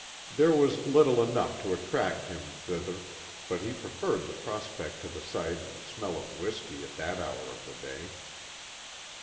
There was little enough to attract him thither, but he preferred the prospect to the sight and smell of whiskey at that hour of the day.